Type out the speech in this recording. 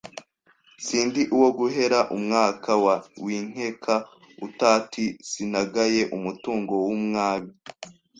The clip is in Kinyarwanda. Sindi uwo guhera Umwaka wa Winkeka uutati Sinagaye umutungo w’umwami